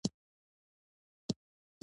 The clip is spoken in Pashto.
وریجې ډیرو اوبو ته اړتیا لري